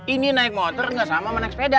ini naik motor nggak sama naik sepeda